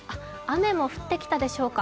雨も降ってきたでしょうか